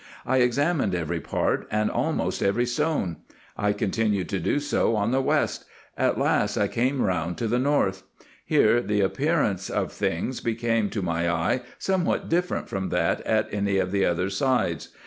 I examined every part, and almost every stone. I continued to do so on the west, — at last I came round to the north. Here the appearance of things became to my eye somewhat different from that at any of the other sides.